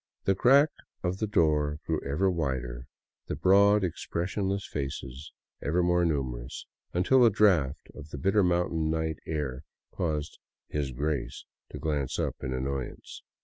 The crack of the door grew ever wider, the broad, expressionless faces ever more numerous, until a draft of the bitter mountain night air caused " His Grace " to glance up in annoyance.